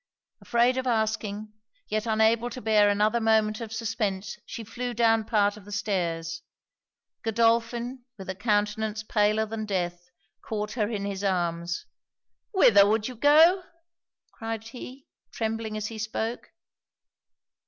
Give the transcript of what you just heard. Afraid of asking, yet unable to bear another moment of suspence, she flew down part of the stairs. Godolphin, with a countenance paler than death, caught her in his arms 'Whither would you go?' cried he, trembling as he spoke.